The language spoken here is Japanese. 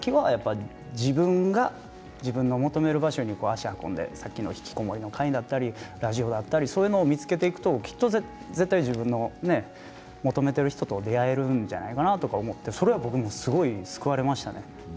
そこから先はやっぱり自分が自分の求める場所に足を運んでさっきのひきこもりの会やラジオだったりそういうものを見つけて自分の求めている人と出会えるんじゃないかなと思ってそれはすごく救われましたね。